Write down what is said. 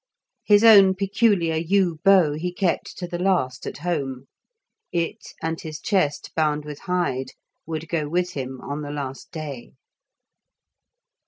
His own peculiar yew bow he kept to the last at home; it and his chest bound with hide would go with him on the last day.